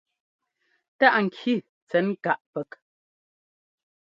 Táꞌ ŋki tsɛn káꞌ pɛk.